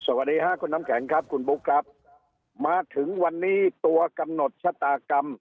สวัสดีค่ะคุณน้ำแข็งครับคุณบุ๊คครับมาถึงวันนี้ตัวกำหนดชะตากรรม